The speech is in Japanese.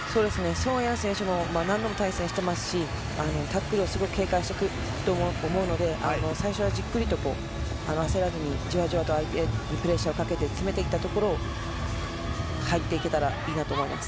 ソン・アヤン選手とも何度も対戦してますしタックルを警戒してくると思うので最初はじっくりと焦らずにじわじわと相手にプレッシャーを与えて詰めていったところを入っていけたらいいと思います。